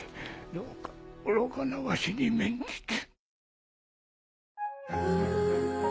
どうか愚かなわしに免じて。